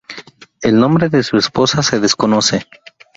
El nombre de su esposa se desconoce.